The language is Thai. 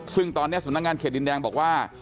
ซึ่งตอนนี้สำนักงานเขตดินแดงบอกว่า